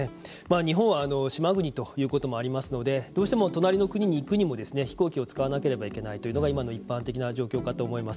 日本は島国ということもありますのでどうしてもとなりに国に行くにも飛行機を使わなければ行けないというのが今の一般的な状況かと思います。